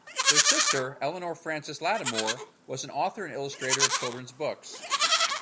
Their sister Eleanor Frances Lattimore was an author and illustrator of children's books.